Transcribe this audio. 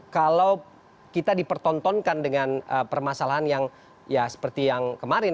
kalau kita dipertontonkan dengan permasalahan yang ya seperti yang kemarin